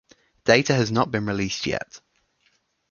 Data has not been released yet.